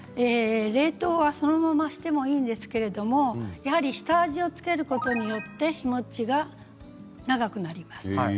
冷凍はそのまましてもいいんですが下味を付けることによって日もちが長くなります。